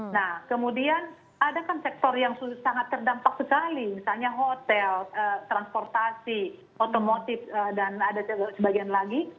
nah kemudian ada kan sektor yang sangat terdampak sekali misalnya hotel transportasi otomotif dan ada sebagian lagi